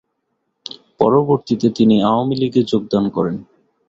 পরবর্তীতে তিনি আওয়ামী লীগে যোগদান করেন।